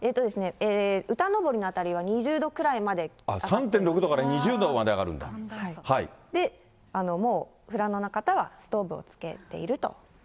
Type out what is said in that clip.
歌登の辺りは２０度くらいま３．６度から２０度まで上がもう富良野の方はストーブをつけていると。